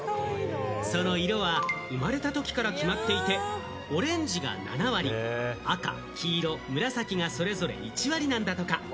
その色は生まれたときから決まっていて、オレンジが７割、赤、黄色、紫がそれぞれ１割なんだとか。